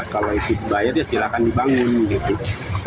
kalau itu dibayar ya silahkan dibangun